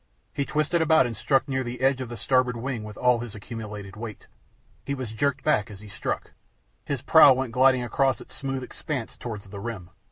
He twisted about and struck near the edge of the starboard wing with all his accumulated weight. He was jerked back as he struck. His prow went gliding across its smooth expanse towards the rim.